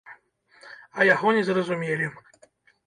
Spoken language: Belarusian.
А яго не зразумелі.